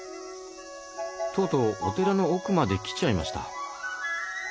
とうとうお寺の奥まで来ちゃいました。